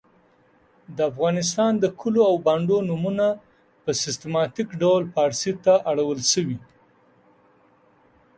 د افغانستان د کلو او بانډو نومونه په سیستماتیک ډول پاړسي ته اړول سوي .